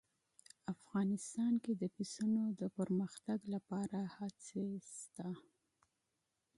افغانستان کې د پسونو د پرمختګ لپاره هڅې شته.